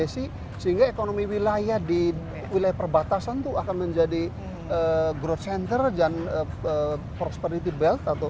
jadi bangun industri di situ desi sehingga ekonomi wilayah di wilayah perbatasan itu akan menjadi growth center dan prosperity belt